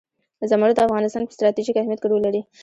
زمرد د افغانستان په ستراتیژیک اهمیت کې رول لري.